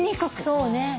そうね。